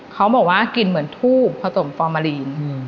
เขาบอกว่ากลิ่นเหมือนทูบผสมฟอร์มาลีน